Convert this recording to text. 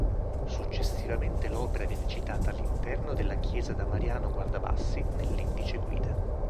Successivamente l'opera viene citata all'interno della chiesa da Mariano Guardabassi, nell'Indice-guida.